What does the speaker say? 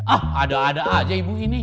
ah ada ada aja ibu ini